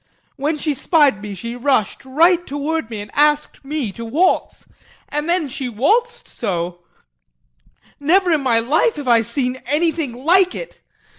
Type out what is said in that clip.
When she spied me, she rushed right toward me and asked me to waltz, and then she waltzed so never in my life have I seen anything like it!